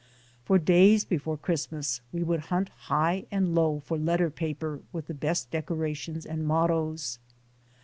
For days before Christmas we would hunt high and low for letter paper with the best decorations and mottoes.